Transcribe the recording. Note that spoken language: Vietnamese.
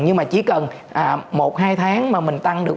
nhưng mà chỉ cần một hai tháng mà mình tăng được